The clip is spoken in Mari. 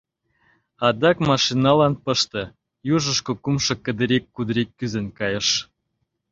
Адак машиналан пыште, — южышко кумшо кадырик-кудырик кӱзен кайыш.